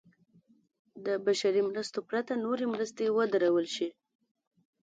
د بشري مرستو پرته نورې مرستې ودرول شي.